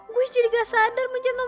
gue jadi gak sadar mencantum